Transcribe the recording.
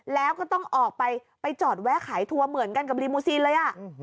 แล้วก็ต้องออกไปไปจอดแวะขายทัวร์เหมือนกันกับรีมูซีนเลย